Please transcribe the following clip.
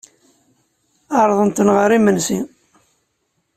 Ɛerḍen-ten ɣer yimensi.